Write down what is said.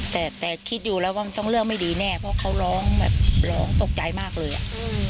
แต่แต่คิดอยู่แล้วว่ามันต้องเรื่องไม่ดีแน่เพราะเขาร้องแบบร้องตกใจมากเลยอ่ะ